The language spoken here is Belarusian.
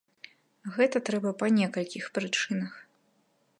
Гэта трэба па некалькіх прычынах.